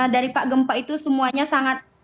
dari pak gempa itu semuanya sangat